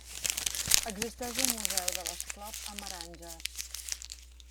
Existeix un Museu de l'Esclop a Meranges.